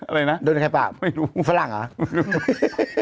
อะไรนะโดนใครปากไม่รู้ฝรั่งเหรอ